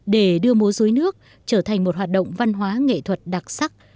để đưa múa dối nước trở thành một hoạt động văn hóa nghệ thuật đặc sắc